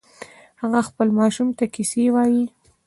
هغه خپل ماشوم ته کیسې وایې